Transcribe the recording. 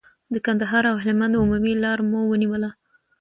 د کندهار او هلمند عمومي لار مو ونیوله.